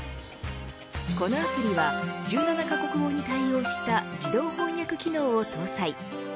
このアプリは１７カ国語に対応した自動翻訳機能を搭載。